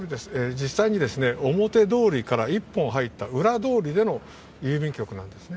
実際に、表通りから１本入った裏通りでの郵便局なんですね。